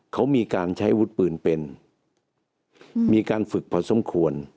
เขามีการใช้วุฒิปืนเป็นมีการฝึกพอสมควร